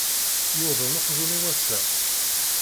Yuḍen uqjun-iw ass-a.